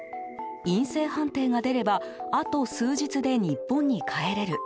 陰性判定が出ればあと数日で日本に帰れる。